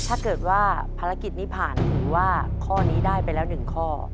ถ้าเกิดว่าภารกิจนี้ผ่านถือว่าข้อนี้ได้ไปแล้ว๑ข้อ